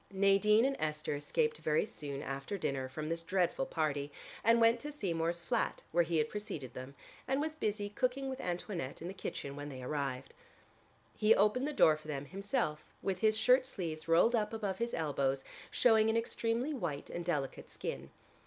Nadine and Esther escaped very soon after dinner from this dreadful party, and went to Seymour's flat where he had preceded them and was busy cooking with Antoinette in the kitchen when they arrived. He opened the door for them himself with his shirt sleeves rolled up above his elbows, showing an extremely white and delicate skin.